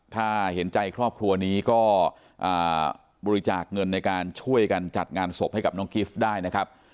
ถ้าเห็นใจครอบครัวนี้ก็บริจาคเงินในการช่วยกันจัดงานศพให้กับน้องกิฟต์ได้นะครับ